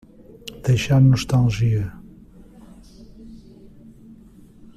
Deixar nostalgia